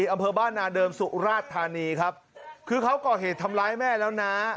อำเภอบ้านนาเดิมสุราชธานีครับคือเขาก่อเหตุทำร้ายแม่แล้วนะ